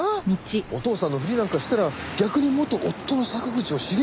お父さんのふりなんかしたら逆に元夫の坂口を刺激しませんか？